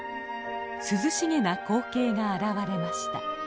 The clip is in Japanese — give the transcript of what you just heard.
涼しげな光景が現れました。